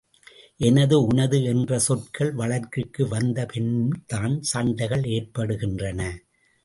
எனது உனது என்ற சொற்கள் வழக்கிற்கு வந்த பின்தான் சண்டைகள் ஏற்படுகின்றன.